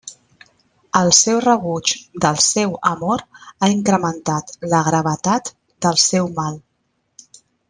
El seu rebuig del seu amor ha incrementat la gravetat del seu mal.